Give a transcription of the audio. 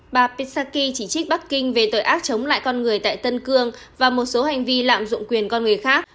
bà pisaki chỉ trích bắc kinh về tội ác chống lại con người tại tân cương và một số hành vi lạm dụng quyền con người khác